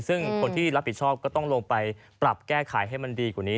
ซึ่งคนที่รับผิดชอบก็ต้องลงไปปรับแก้ไขให้มันดีกว่านี้